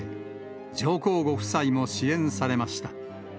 上皇ご夫妻も支援されました。